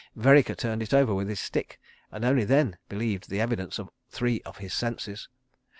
Vereker turned it over with his stick, and only then believed the evidence of three of his senses.